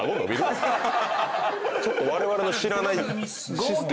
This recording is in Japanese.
⁉ちょっとわれわれの知らないシステム。